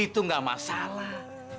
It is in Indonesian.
itu nggak masalah